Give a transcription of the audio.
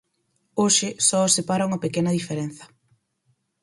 Hoxe, só os separa unha pequena diferenza.